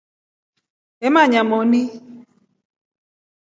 Eemanya moni.